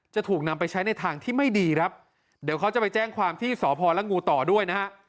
จะถูกนำไปใช้ในทางที่ไม่ดีครับเดี๋ยวเขาจะไปแจ้งความที่สพละงูต่อด้วยนะฮะ